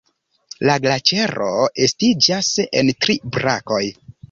La glaĉero estiĝas en tri brakoj.